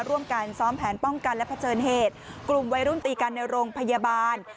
ร่วมกันซ้อมแผนป้องกันและเผชิญเหตุกลุ่มวัยรุ่นตีกันในโรงพยาบาล